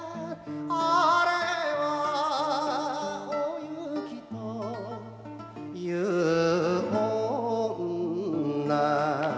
「あれはおゆきという女」